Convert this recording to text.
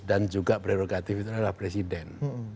juga prerogatif itu adalah presiden